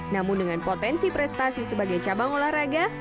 namun dengan potensi prestasi sebagai cabang olahraga